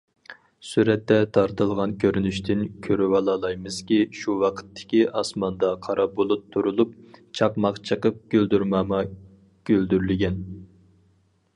سۈرەتتە تارتىلغان كۆرۈنۈشتىن كۆرۈۋالالايمىزكى، شۇ ۋاقىتتىكى ئاسماندا قارا بۇلۇت تۈرۈلۈپ، چاقماق چېقىپ، گۈلدۈرماما گۈلدۈرلىگەن.